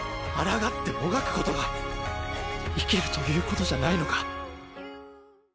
あらがってもがくことが生きるということじゃないのか？